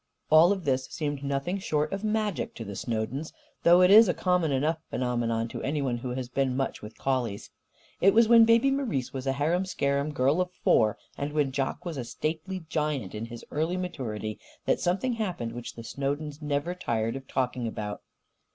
All of this seemed nothing short of magic to the Snowdens, though it is a common enough phenomenon to anyone who has been much with collies. It was when Baby Marise was a harum scarum girl of four, and when Jock was a stately giant in his early maturity, that something happened which the Snowdens never tired of talking about.